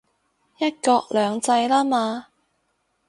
一國兩制喇嘛